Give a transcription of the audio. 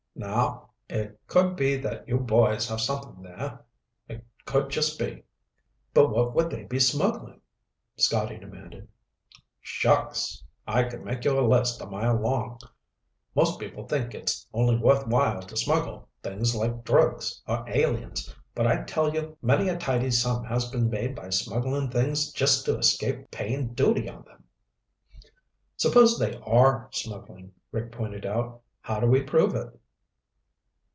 "Now! It could be that you boys have something there. It could just be!" "But what would they be smuggling?" Scotty demanded. "Shucks. I could make you a list a mile long. Most people think it's only worth while to smuggle things like drugs or aliens, but I tell you many a tidy sum has been made by smuggling things just to escape paying duty on them." "Suppose they are smuggling," Rick pointed out. "How do we prove it?"